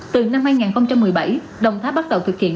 từ năm hai nghìn một mươi bảy đồng tháp bắt đầu thực hiện